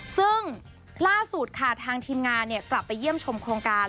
ซึ่งล่าสุดค่ะทางทีมงานกลับไปเยี่ยมชมโครงการ